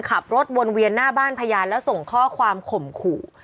ขับรถวนเวียนหน้าบ้านพยานแล้วส่งข้อความข่มขู่